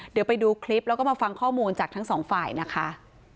เดี๋ยวไปดูคลิปแล้วก็มาฟังข้อมูลจากทั้งสองฝ่ายนะคะ